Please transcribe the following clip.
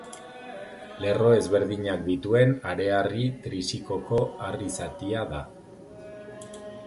Lerro ezberdinak dituen hareharri trisikoko harri zatia da.